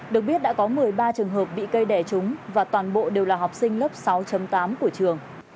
được biết đã có một mươi ba trường hợp bị cây đẻ trúng và toàn bộ đều là học sinh lớp sáu tám của trường